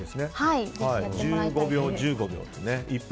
１５秒、１５秒ですね。